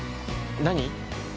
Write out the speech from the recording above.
何？